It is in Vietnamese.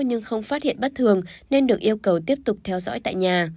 nhưng không phát hiện bất thường nên được yêu cầu tiếp tục theo dõi tại nhà